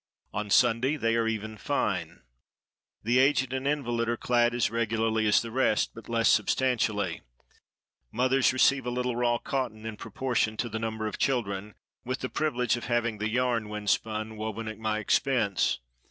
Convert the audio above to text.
On Sunday they are even fine. The aged and invalid are clad as regularly as the rest, but less substantially. Mothers receive a little raw cotton, in proportion to the number of children, with the privilege of having the yarn, when spun, woven at my expense.